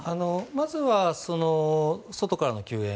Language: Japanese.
まずは外からの救援。